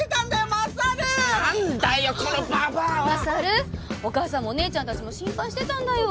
マサルお母さんもお姉ちゃんたちも心配してたんだよ。